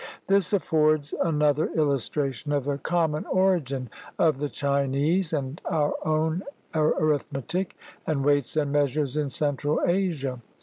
This affords another illustration of the com mon origin of the Chinese and our own arithmetic and weights and measures in Central Asia.